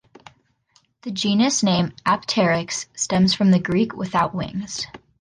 The genus name "Apteryx" stems from the Greek "without wings".